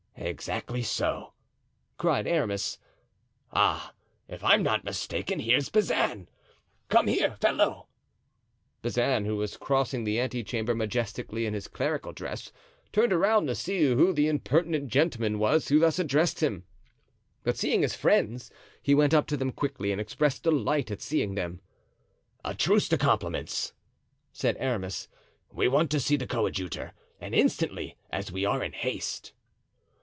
"Exactly so," cried Aramis. "Ah! if I'm not mistaken here's Bazin. Come here, fellow." Bazin, who was crossing the ante chamber majestically in his clerical dress, turned around to see who the impertinent gentleman was who thus addressed him; but seeing his friends he went up to them quickly and expressed delight at seeing them. "A truce to compliments," said Aramis; "we want to see the coadjutor, and instantly, as we are in haste."